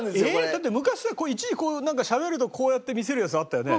だって昔さ一時しゃべるとこうやって見せるやつあったよね？